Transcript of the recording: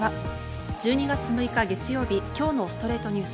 １２月６日、月曜日、今日の『ストレイトニュース』。